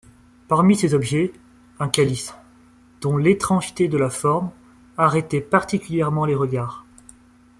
Parmi ces objets, un calice, dont l’étrangeté de la forme, arrêtait particulièrement les regards.